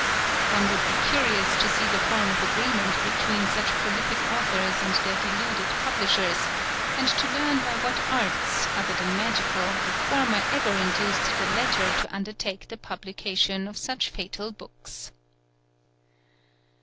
One would be curious to see the form of agreement between such prolific authors and their deluded publishers, and to learn by what arts, other than magical, the former ever induced the latter to undertake the publication of such fatal books.